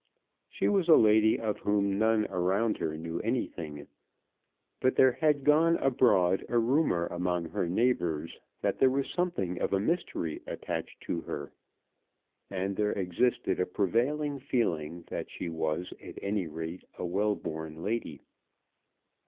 She was a lady of whom none around knew anything, but there had gone abroad a rumour among her neighbours that there was something of a mystery attached to her, and there existed a prevailing feeling that she was at any rate a well born lady.